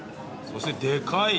そしてでかい。